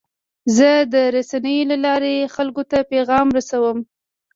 زه د رسنیو له لارې خلکو ته پیغام رسوم.